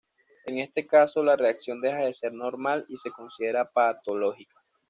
En este caso la reacción deja de ser normal y se considera patológica.